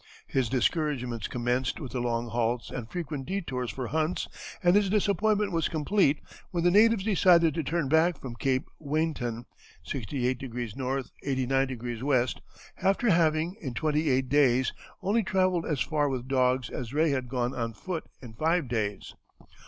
His discouragements commenced with the long halts and frequent detours for hunts, and his disappointment was complete when the natives decided to turn back from Cape Weynton, 68° N., 89° W., after having, in twenty eight days, only travelled as far with dogs as Rae had gone on foot in five days.